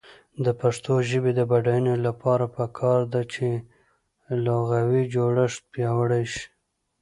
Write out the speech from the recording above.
د پښتو ژبې د بډاینې لپاره پکار ده چې لغوي جوړښت پیاوړی شي.